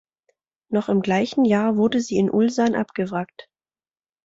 Noch im gleichen Jahr wurde sie in Ulsan abgewrackt.